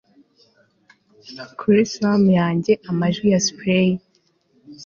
kuri swan yanjye, amajwi ya splay)